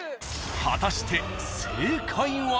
［果たして正解は］